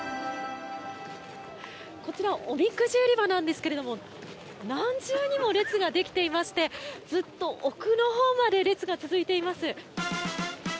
こちらおみくじ売り場なんですけれども何重にも列ができていましてずっと奥のほうまで列が続いています。